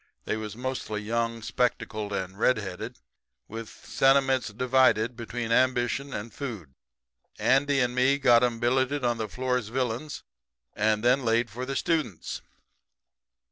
They was mostly young, spectacled, and red headed, with sentiments divided between ambition and food. Andy and me got 'em billeted on the Floresvillians and then laid for the students.